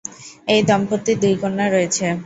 এই দম্পতির দুই কন্যা রয়েছে।